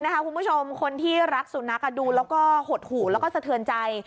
คุณผู้ชมคนที่รักสุนัขดูแล้วก็หดหูแล้วก็สะเทือนใจ